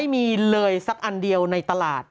ไม่มีเลยสักอันเดียวในตลาด